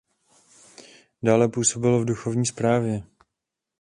Dále působil v duchovní správě.